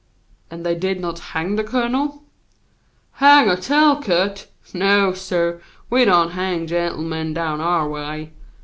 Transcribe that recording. "And they did not hang the colonel?" "Hang a Talcott! No, suh; we don't hang gentlemen down our way.